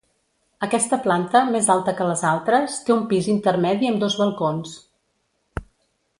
Aquesta planta, més alta que les altres té un pis intermedi amb dos balcons.